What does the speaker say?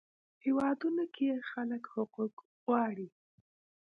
هیوادونو کې خلک حقوق غواړي.